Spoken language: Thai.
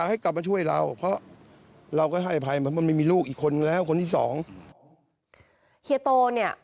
เฮียโตเนี่ย